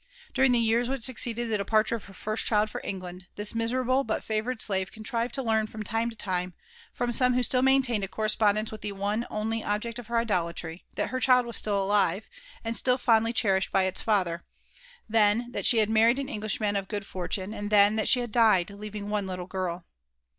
During the years which succeeded the departure of her first child for England, this miserable but favoured slave contrived to learn from time to time, from some who still maintained a correspondence with the one only object of her idolatry, that her child was still aliye, and still fondly cherished by its father; then, that she had married an English man of good fortune; and then, that she had died, leaving one little girl.